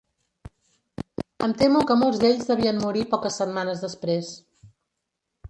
Em temo que molts d'ells devien morir poques setmanes després